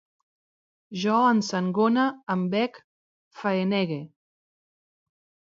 Jo ensangone, embec, faenege